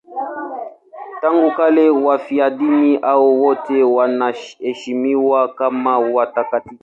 Tangu kale wafiadini hao wote wanaheshimiwa kama watakatifu.